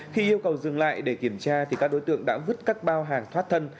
khi yêu cầu dừng lại để kiểm tra các đối tượng đã vứt các bao hàng thoát thân